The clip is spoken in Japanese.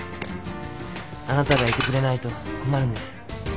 あなたがいてくれないと困るんです。